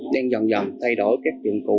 đang dần dần thay đổi các dụng cụ